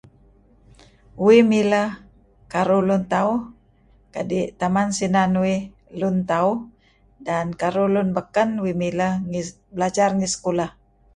Uih mileh karu hlun tauh kadi' taman sinan uih karuh tauh. Uih mileh buri' lun beken kadi' uih belajar let ngi sekulah.